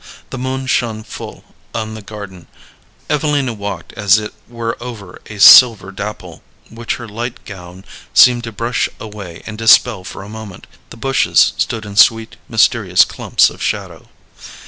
The moon shone full on the garden. Evelina walked as it were over a silver dapple, which her light gown seemed to brush away and dispel for a moment. The bushes stood in sweet mysterious clumps of shadow.